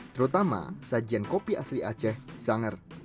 terutama sajian kopi asli aceh zanger